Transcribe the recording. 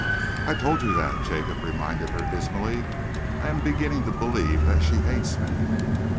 "I told you that," Jacob reminded her dismally. "I am beginning to believe that she hates me."